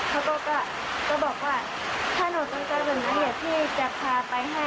เขาก็บอกว่าถ้าหนูต้องการแบบนี้เดี๋ยวพี่จะพาไปให้